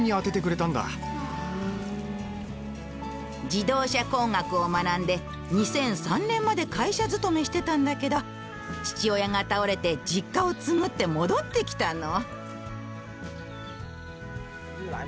自動車工学を学んで２００３年まで会社勤めしてたんだけど父親が倒れて実家を継ぐって戻ってきたの。